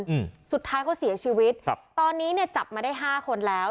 อืมสุดท้ายเขาเสียชีวิตครับตอนนี้เนี้ยจับมาได้ห้าคนแล้ว